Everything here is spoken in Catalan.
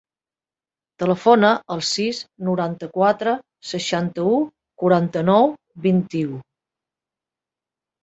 Telefona al sis, noranta-quatre, seixanta-u, quaranta-nou, vint-i-u.